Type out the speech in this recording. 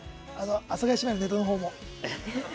阿佐ヶ谷姉妹のネタのほうも。